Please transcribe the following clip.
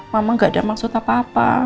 mama gak ada maksud apa apa